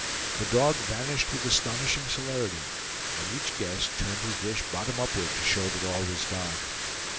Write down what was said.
The dog vanished with astonishing celerity, and each guest turned his dish bottom upward to show that all was gone.